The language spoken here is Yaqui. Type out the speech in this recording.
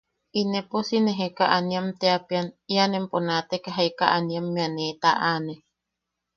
Inepo si nee Jekaaniam teapean; ian empo naateka jekaaniammea ne taʼane.